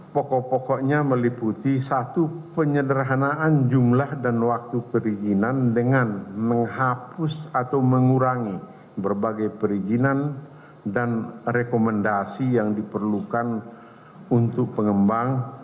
pokok pokoknya meliputi satu penyederhanaan jumlah dan waktu perizinan dengan menghapus atau mengurangi berbagai perizinan dan rekomendasi yang diperlukan untuk pengembang